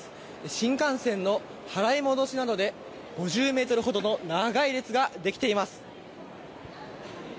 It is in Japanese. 新幹線の払い戻しなどで５０ｍほどの長い列ができています。